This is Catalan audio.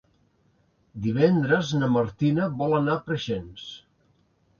Divendres na Martina vol anar a Preixens.